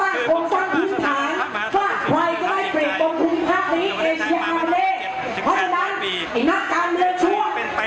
เพราะฉะนั้นเรามาแสดงตัวฝากแล้วมาแสดงลักษณ์